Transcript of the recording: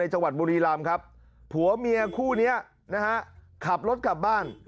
หัวเมียคู่นี้นะฮะขับรถกลับบ้าน